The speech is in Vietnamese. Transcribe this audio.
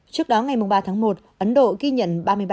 trước đó ngày ba tháng một ấn độ ghi nhận